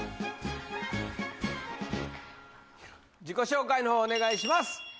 自己紹介のほうお願いします。